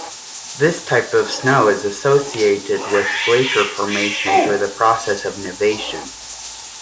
This type of snow is associated with glacier formation through the process of nivation.